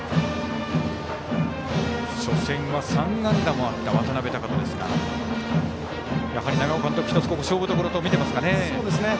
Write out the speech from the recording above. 初戦は３安打もあった渡邊升翔ですがやはり長尾監督一つ勝負どころと見ていますかね。